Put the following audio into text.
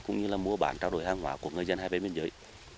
cũng như là mua bản trao đổi hàng hóa của người dân hai bên biên giới